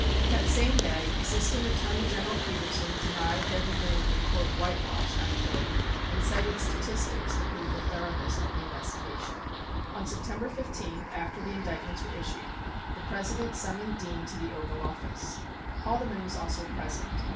That same day Assistant Attorney General Petersen denied there had been a "whitewash" and cited statistics to prove the thor oughness of the investigation. 32 On September 15, after the indictments were issued, the President summoned Dean to the Oval Office. 33 Haldeman was also present.